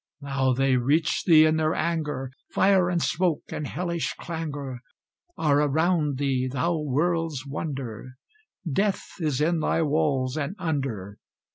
Now they reach thee in their anger; Fire and smoke and hellish clangor Are around thee, thou world's wonder! Death is in thy walls and under.